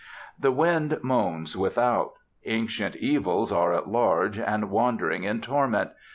The wind moans without; ancient evils are at large and wandering in torment.